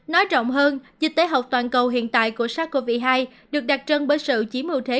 nói rộng hơn dịch tế học toàn cầu hiện tại của sars cov hai được đặt trân bởi sự chí mưu thế